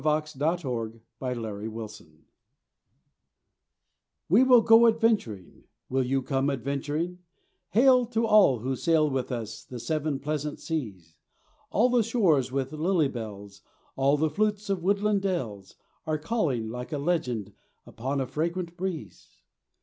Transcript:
THE YOUNG ADVENTURERS We will go adventuring, will you come adventuring, Hail, to all who sail with us the seven pleasant seas: All the shores with lily bells, all the flutes of woodland dells Are calling like a legend upon a fragrant breeze.